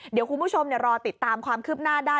เดี๋ยวคุณผู้ชมรอติดตามความคืบหน้าได้